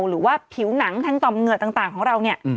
หรือว่าผิวหนังทางต่อมเหงื่อต่างของเราเนี่ย